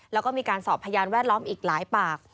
แล้วก็มีการสอบพยานแวดล้อมอีกหลายปาก